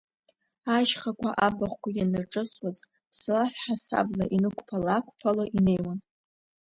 Ашьхақәа, абахәқәа ианырҿысуаз ԥслаҳә ҳасабла инықәԥала-аақәԥало инеиуан.